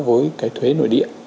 với cái thuế nội địa